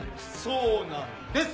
そうなんです！